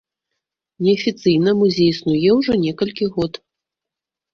Неафіцыйна музей існуе ужо некалькі год.